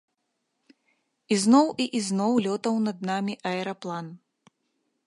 Ізноў і ізноў лётаў над намі аэраплан.